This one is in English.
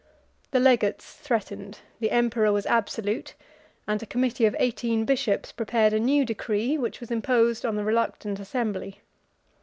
66 The legates threatened, the emperor was absolute, and a committee of eighteen bishops prepared a new decree, which was imposed on the reluctant assembly.